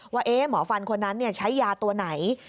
ว่าหมอฟันคนนั้นใช้ยาตัวไหน